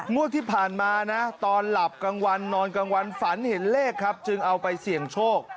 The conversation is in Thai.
งวดที่ผ่านมานะตอนหลับกลางวันนอนกลางวันฝันเห็นเลขครับจึงเอาไปเสี่ยงโชค